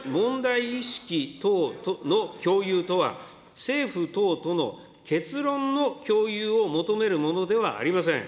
ここでいう問題意識等の共有とは、政府等との結論の共有を求めるものではありません。